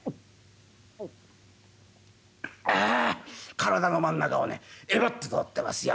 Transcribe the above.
体の真ん中をねえばって通ってますよ。